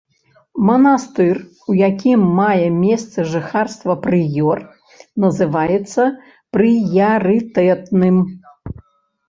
Манастыр, у якім мае месца жыхарства прыёр, называецца прыярытэтным.